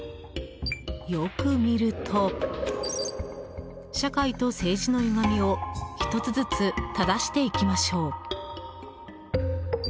よく見ると「社会と政治のゆがみをひとつづつ正して行きましょう」